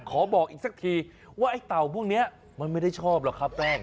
บอกอีกสักทีว่าไอ้เต่าพวกนี้มันไม่ได้ชอบหรอกครับแป้ง